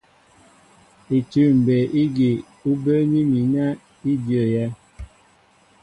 Itʉ̂m mbey ígi ú bə́ə́ní mi nɛ í ndyə́yɛ́.